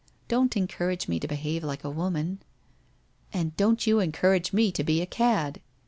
Don't encourage me to behave like a woman.' * And don't you encourage me to be a cad